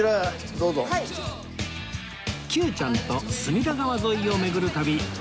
Ｑ ちゃんと隅田川沿いを巡る旅